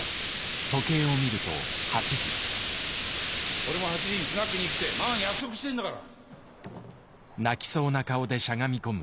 俺も８時にスナックに行くってママに約束してんだから。